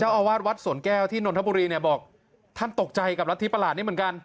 เจ้าอาวาสวัสสวนแก้วที่นอนทะบุรีท่านตกใจกับลัตธิพละลาศนี่เหมือนกัน